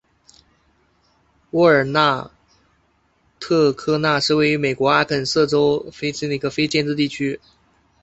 沃尔纳特科纳是位于美国阿肯色州菲利普斯县的一个非建制地区。